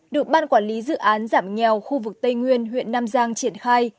được ban quản lý dự án giảm nghèo khu vực tây nguyên huyện nam giang triển khai